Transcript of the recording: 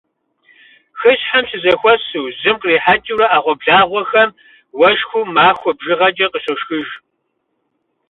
Хыщхьэм щызэхуэсу, жьым кърихьэкӀыурэ Ӏэгъуэблагъэхэм уэшхыу махуэ бжыгъэкӀэ къыщошхыж.